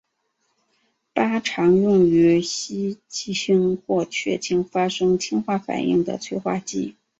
钯常用于烯烃或炔烃发生氢化反应的催化剂。